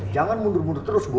jangan mundur mundur terus bos